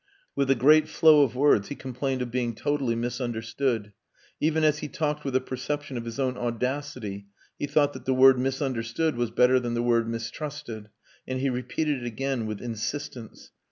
With a great flow of words he complained of being totally misunderstood. Even as he talked with a perception of his own audacity he thought that the word "misunderstood" was better than the word "mistrusted," and he repeated it again with insistence.